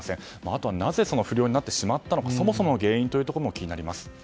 あとなぜ不漁になってしまったのかそもそもの原因も気になります。